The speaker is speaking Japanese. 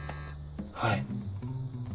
はい。